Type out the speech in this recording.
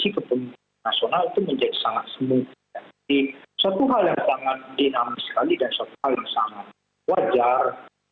jadi satu hal yang sangat dinam sekali dan satu hal yang sangat wajar